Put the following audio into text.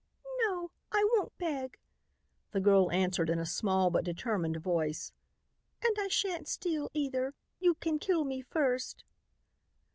"No, I won't beg," the girl answered in a small but determined voice. "And I shan't steal either. You can kill me first."